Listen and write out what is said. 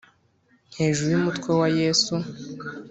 hejuru y’umutwe wa yesu